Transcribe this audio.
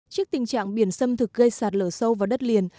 trước tình trạng biển xâm thực gây sạt lở sâu vào đất liền